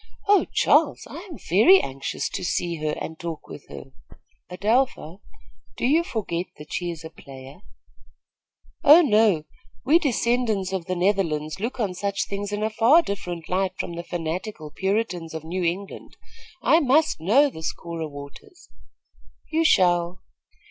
Oh, Charles, I am very anxious to see her and talk with her." "Adelpha, do you forget that she is a player?" "Oh, no; we descendants of the Netherlands look on such things in a far different light from the fanatical Puritans of New England. I must know this Cora Waters." "You shall."